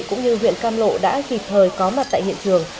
cũng như huyện cam lộ đã kịp thời có mặt tại hiện trường